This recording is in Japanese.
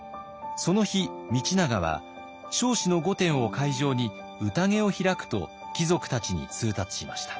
その日道長は彰子の御殿を会場に宴を開くと貴族たちに通達しました。